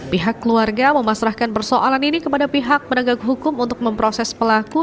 pihak keluarga memasrahkan persoalan ini kepada pihak penegak hukum untuk memproses pelaku